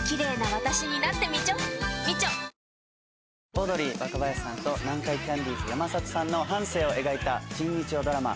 オードリー・若林さんと南海キャンディーズ・山里さんの半生を描いた。